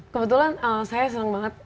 kebetulan saya senang banget